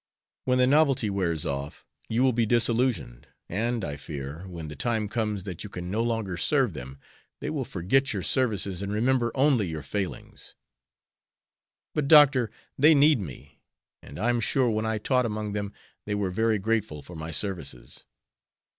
When the novelty wears off you will be disillusioned, and, I fear, when the time comes that you can no longer serve them they will forget your services and remember only your failings." "But, Doctor, they need me; and I am sure when I taught among them they were very grateful for my services."